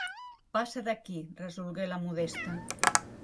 Passa d'aquí! –resolgué la Modesta.